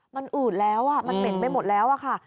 มันอืดแล้วมันเหม็นไปหมดแล้วอะค่ะ